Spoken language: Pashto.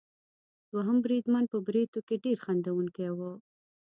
دوهم بریدمن په بریتونو کې ډېر خندوونکی وو.